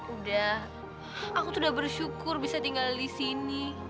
udah aku tuh udah bersyukur bisa tinggal di sini